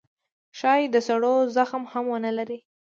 ښايي د سړو زغم هم ونه لرئ